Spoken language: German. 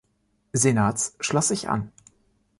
Senats schloss sich an.